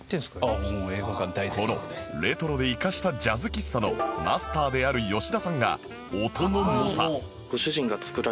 このレトロでイカしたジャズ喫茶のマスターである吉田さんが音の猛者